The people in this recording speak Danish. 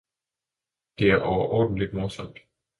Det er overordenligt morsomt!